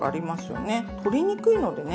取りにくいのでね